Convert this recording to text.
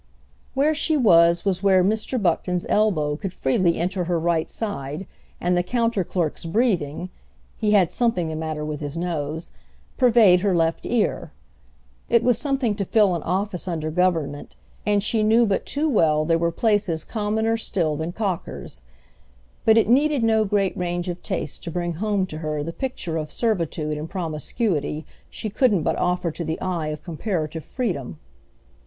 Where she was was where Mr. Buckton's elbow could freely enter her right side and the counter clerk's breathing—he had something the matter with his nose—pervade her left ear. It was something to fill an office under Government, and she knew but too well there were places commoner still than Cocker's; but it needed no great range of taste to bring home to her the picture of servitude and promiscuity she couldn't but offer to the eye of comparative freedom.